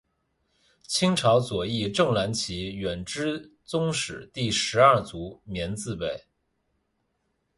清朝左翼正蓝旗远支宗室第十二族绵字辈。